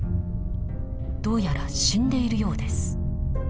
どうやら死んでいるようです。